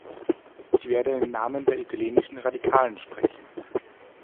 Ich werde im Namen der italienischen Radikalen sprechen.